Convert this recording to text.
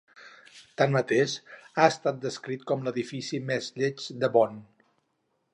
Tanmateix, ha estat descrit com "l'edifici més lleig de Bonn".